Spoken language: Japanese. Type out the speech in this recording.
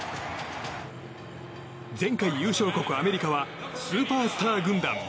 前回優勝国アメリカはスーパースター軍団。